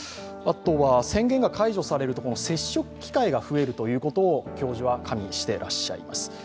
宣言が解除されると接触機会が増えることを教授は加味していらっしゃいます。